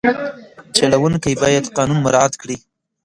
چلوونکی باید قانون مراعت کړي.